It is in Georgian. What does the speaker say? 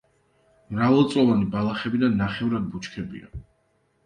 მრავალწლოვანი ბალახები და ნახევრად ბუჩქებია.